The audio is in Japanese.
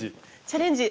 チャレンジ。